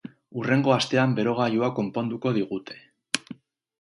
Hurrengo astean berogailua konponduko digute.